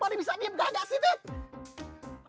pade bisa diam gak aja sih teh